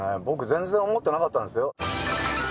僕全然思ってなかったんですよ。